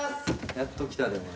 やっと来た出前。